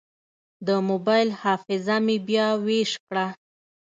د موبایل حافظه مې بیا ویش کړه.